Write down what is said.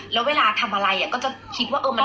แล้วเวลาทำอะไรก็จะคิดว่า